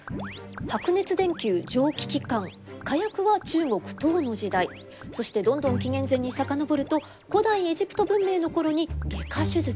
白熱電球蒸気機関火薬は中国唐の時代そしてどんどん紀元前に遡ると古代エジプト文明の頃に外科手術。